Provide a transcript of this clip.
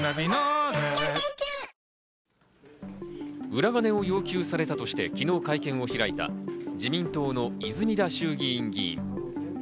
裏金を要求されたとして昨日会見を開いた自民党の泉田衆議院議員。